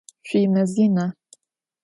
Şüimez yina?